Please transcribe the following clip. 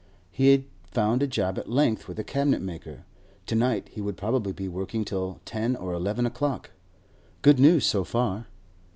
He had found a job at length with a cabinet maker; to night he would probably be working till ten or eleven o'clock. Good news so far.